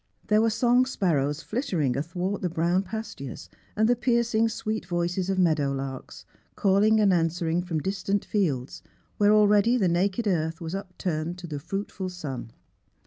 There were song sparrows flitting athwart the brown pas tures, and the piercing sweet voices of meadow larks, calling and answering from distant fields, where already the naked earth was upturned to the fruitful sun.